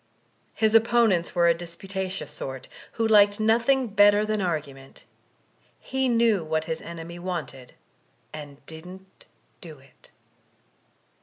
His opponents were a disputations sort, who liked nothing better than argument; he knew what his enemy wanted and didn't do it.